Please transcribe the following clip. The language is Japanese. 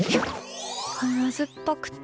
甘酸っぱくて？